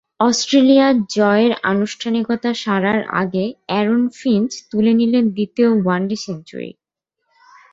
Australia জয়ের আনুষ্ঠানিকতা সারার আগে অ্যারন ফিঞ্চ তুলে নিলেন দ্বিতীয় ওয়ানডে সেঞ্চুরি।